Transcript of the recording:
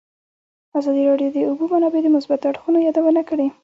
ازادي راډیو د د اوبو منابع د مثبتو اړخونو یادونه کړې.